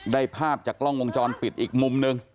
ภาพจากกล้องวงจรปิดอีกมุมหนึ่ง